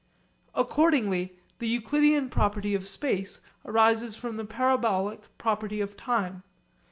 Accordingly the Euclidean property of space arises from the parabolic property of time.